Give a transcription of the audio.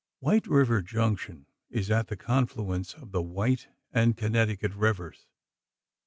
White River Junction is at the confluence of the White and the Connecticut rivers.